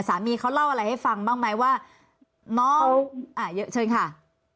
สามีเขาเล่าอะไรให้ฟังบ้างไหมว่าน้องอ่าเยอะเชิญค่ะ